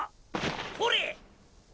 ほれ！